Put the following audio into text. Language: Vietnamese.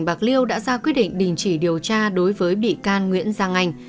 bạc liêu đã ra quyết định đình chỉ điều tra đối với bị can nguyễn giang anh